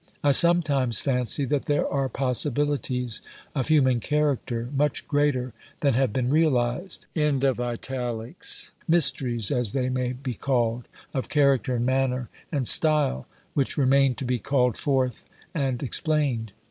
I sometimes fancy that there are possibilities of human character much greater than have been realized_, mysteries, as they may be called, of character and manner and style which remain to be called forth and explained.